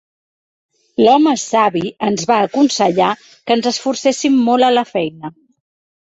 L'home savi ens va aconsellar que ens esforcéssim molt a la feina.